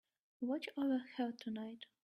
Watch over her tonight.